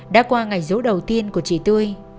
đã qua ngày dấu đầu tiên của chị tươi